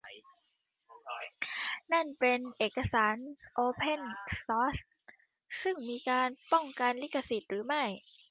นั่นเป็นเอกสารโอเพนซอร์ซหรือมีการป้องกันลิขสิทธิ์หรือไม่